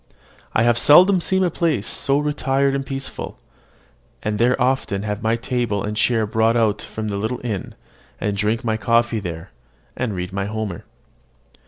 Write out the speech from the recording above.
I have seldom seen a place so retired and peaceable; and there often have my table and chair brought out from the little inn, and drink my coffee there, and read my Homer.